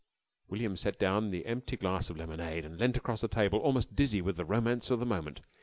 William set down the empty glass of lemonade and leant across the table, almost dizzy with the romance of the moment.